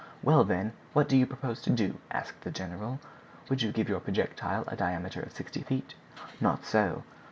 "Well, then, what do you propose to do?" asked the general. "Would you give your projectile a diameter of sixty feet?" "Not so."